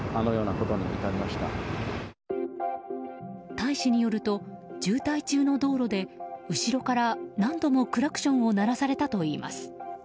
大使によると渋滞中の道路で、後ろから何度もクラクションを鳴らされたといいます。